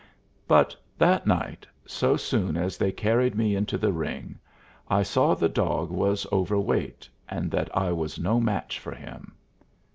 But that night, so soon as they carried me into the ring, I saw the dog was overweight, and that I was no match for him.